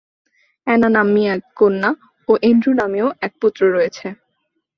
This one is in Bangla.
অ্যানা নাম্নী এক কন্যা ও অ্যান্ড্রু নামীয় এক পুত্র রয়েছে।